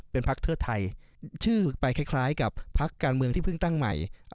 เป็นพักเทิดไทยชื่อไปคล้ายกับพักการเมืองที่เพิ่งตั้งใหม่